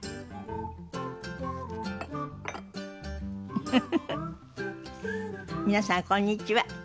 フフフフ皆さんこんにちは。